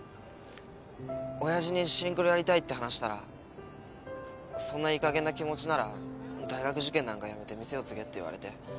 オヤジにシンクロやりたいって話したらそんないいかげんな気持ちなら大学受験なんかやめて店を継げって言われて。